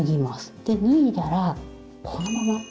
で脱いだらこのまま。